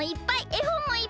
えほんもいっぱい！